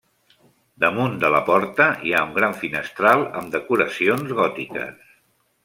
Damunt de la porta hi ha un gran finestral amb decoracions gòtiques.